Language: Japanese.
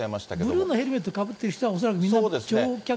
ブルーのヘルメットをかぶってらっしゃる方は恐らくみんな乗